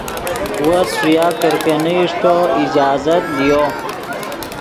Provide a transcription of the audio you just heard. وس ݰویا کرکینے اݰٹو اجازت لیو